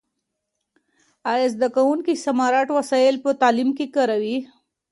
آیا زده کوونکي سمارټ وسایل په تعلیم کې کاروي؟